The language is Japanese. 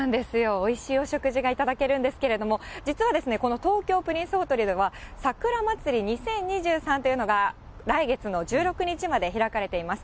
おいしいお食事が頂けるんですけれども、実はですね、この東京プリンスホテルでは、桜まつり２０２３というのが来月の１６日まで開かれています。